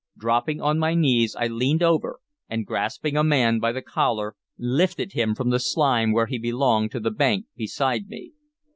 Dropping on my knees I leaned over, and, grasping a man by the collar, lifted him from the slime where he belonged to the bank beside me.